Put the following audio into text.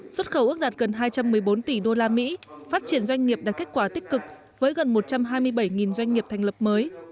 xuất khẩu ước đạt gần hai trăm một mươi bốn tỷ usd phát triển doanh nghiệp đạt kết quả tích cực với gần một trăm hai mươi bảy doanh nghiệp thành lập mới